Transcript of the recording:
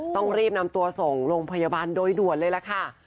ต้องรีบนำตัวส่งโรงพยาบาลโดยด่วนเลยล่ะค่ะ